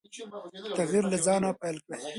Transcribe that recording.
تغیر له ځانه پیل کړئ.